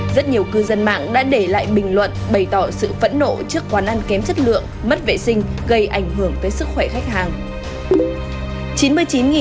rất nhiều cư dân mạng đã để lại bình luận bày tỏ sự phẫn nộ trước quán ăn kém chất lượng mất vệ sinh gây ảnh hưởng tới sức khỏe khách hàng